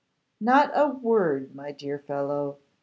'Not a word, my dear fellow.